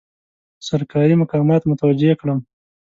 سرکاري مقامات متوجه کړم.